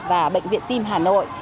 và bệnh viện tim hà nội